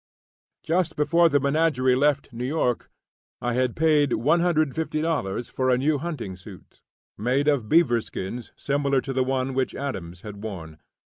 Just before the menagerie left New York, I had paid $150 for a new hunting suit, made of beaver skins similar to the one which Adams had worn.